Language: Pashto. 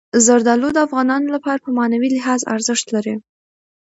زردالو د افغانانو لپاره په معنوي لحاظ ارزښت لري.